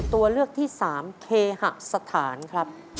ตัวเลือกที่๓เคหสถานครับ